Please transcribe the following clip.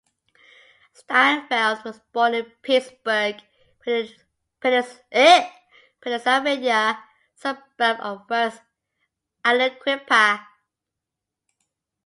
Steinfeld was born in the Pittsburgh, Pennsylvania suburb of West Aliquippa.